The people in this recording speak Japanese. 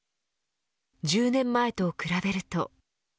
１０年前と比べると。